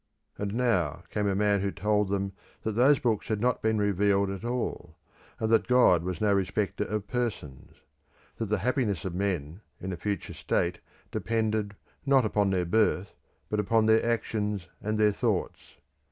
And now came a man who told them that those books had not been revealed at all, and that God was no respecter of persons; that the happiness of men in a future state depended, not upon their birth, but upon their actions and their thoughts.